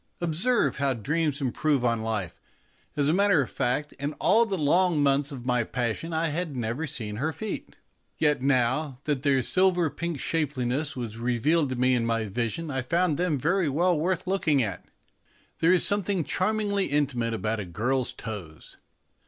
Observe how dreams improve on life ! As a matter of fact, in all the long months of my passion I had never seen her feet, yet now that their silver pink shapeliness was revealed to me in my vision I found them very well worth looking at. There is some thing charmingly intimate about a girl's toes.